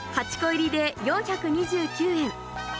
８個入りで４２９円。